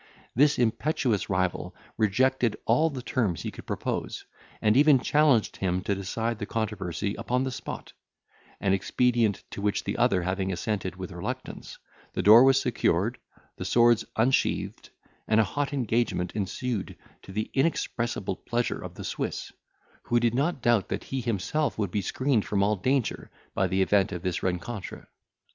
This impetuous rival rejected all the terms he could propose, and even challenged him to decide the controversy upon the spot; an expedient to which the other having assented with reluctance, the door was secured, the swords unsheathed, and a hot engagement ensued, to the inexpressible pleasure of the Swiss, who did not doubt that he himself would be screened from all danger by the event of this rencontre.